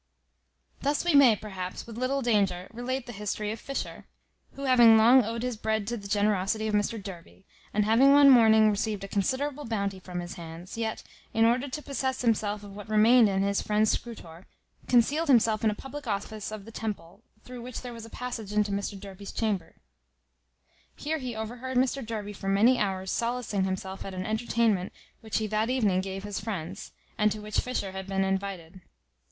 Thus we may, perhaps, with little danger, relate the history of Fisher; who having long owed his bread to the generosity of Mr Derby, and having one morning received a considerable bounty from his hands, yet, in order to possess himself of what remained in his friend's scrutore, concealed himself in a public office of the Temple, through which there was a passage into Mr Derby's chambers. Here he overheard Mr Derby for many hours solacing himself at an entertainment which he that evening gave his friends, and to which Fisher had been invited.